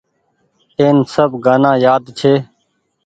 اين سب گآنآ يآد ڇي۔